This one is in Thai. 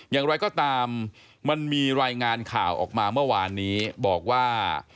อย่างไรก็ตามมันมีรายงานข่าวออกมาเมื่อวานนี้บอกว่า